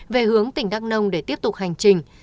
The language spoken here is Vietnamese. về hướng tỉnh đắk nông để tiếp tục hành trình